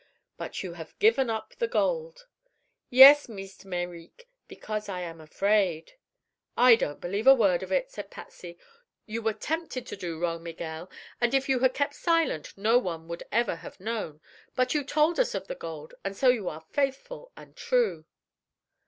"But you have given up the gold." "Yes, Meest Mereek; because I am afraid." "I don't believe a word of it," said Patsy. "You were tempted to do wrong, Miguel, and if you had kept silent no one would ever have known; but you told us of the gold, and so you are faithful and true."